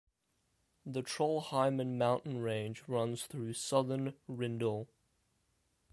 The Trollheimen mountain range runs through southern Rindal.